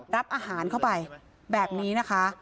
รับอาหารเข้าไปแบบนี้นะคะ